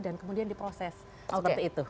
kemudian diproses seperti itu